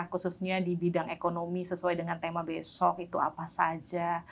khususnya di bidang ekonomi sesuai dengan tema besok itu apa saja